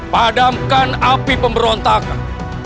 padamkan api pemberontakan